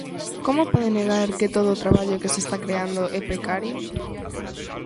¿Como pode negar que todo o traballo que se está creando é precario?